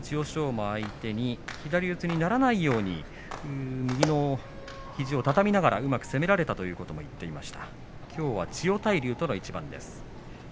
馬相手に左四つにならないように右の肘を畳みながらうまく攻められたということも言っていました。